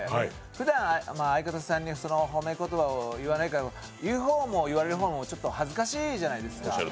ふだん、相方さんに褒め言葉を言わないから言う方も言われる方もちょっと恥ずかしいじゃないですか。